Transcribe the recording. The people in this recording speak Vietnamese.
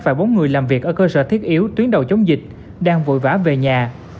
và bốn người làm việc ở cơ sở thiết yếu tuyến đầu chống dịch đang vội vã về nhà